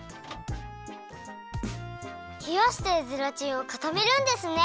ひやしてゼラチンをかためるんですね。